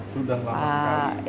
sudah lama sekali